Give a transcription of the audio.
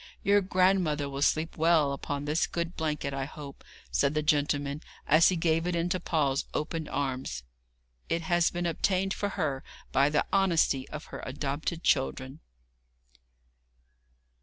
'Your grandmother will sleep well upon this good blanket, I hope,' said the gentleman, as he gave it into Paul's opened arms. 'It has been obtained for her by the honesty of her adopted children.'